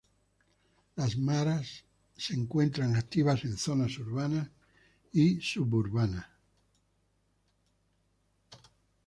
Las maras se encuentra activas en zonas urbanas y suburbanas.